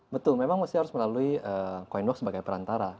betul memang harus melalui koindok sebagai perantara